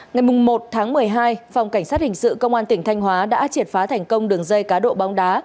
ngày một tháng một mươi hai phòng cảnh sát hình sự công an tỉnh thanh hóa đã triệt phá thành công đường dây cá độ bóng đá